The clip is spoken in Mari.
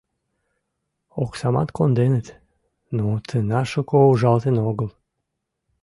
— Оксамат конденыт, но тынар шуко ужалтын огыл.